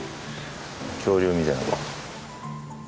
恐竜みたい。